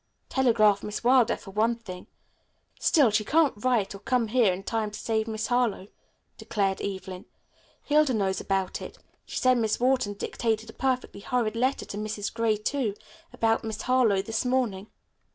"Telegraph Miss Wilder for one thing. Still, she can't write or come here in time to save Miss Harlowe," declared Evelyn. "Hilda knows about it. She said Miss Wharton dictated a perfectly horrid letter to Mrs. Gray, too, about Miss Harlowe this morning."